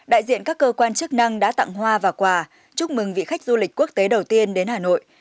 đại diện các cơ quan chức năng đã tặng hoa và quà chúc mừng vị khách du lịch quốc tế đầu tiên đến hà nội